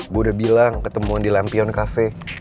gue udah bilang ketemuan di lampion kafe